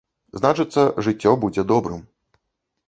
Значыцца, жыццё будзе добрым.